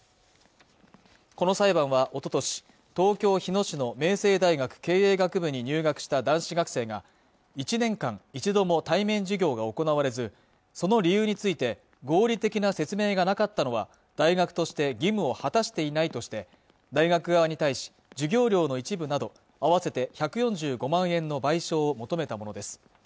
この裁判はおととし東京・日野市の明星大学経営学部に入学した男子学生が１年間１度も対面授業が行われずその理由について合理的な説明がなかったのは大学として義務を果たしていないとして大学側に対し授業料の一部など合わせて１４５万円の賠償を求めたものです